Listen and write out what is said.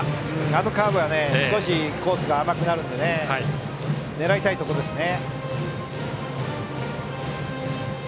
あのカーブは少しコースが甘くなるので狙いたいところですね。